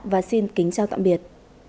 và xin kính chào tạm biệt